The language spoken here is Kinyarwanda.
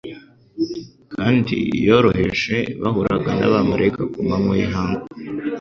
kandi yoroheje bahuraga n'abamalayika ku manywa y'ihangu,